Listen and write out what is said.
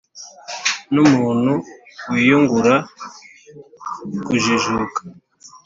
n’umuntu wiyungura kujijuka